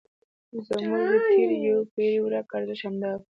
زموږ د تېرې یوې پېړۍ ورک ارزښت همدا و.